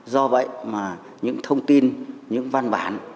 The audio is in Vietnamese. do vậy mà những thông tin những văn bản